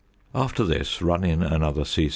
After this run in another c.